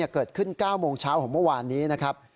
เกิดขึ้น๙โมงเช้าของเมื่อวานนี้นะครับ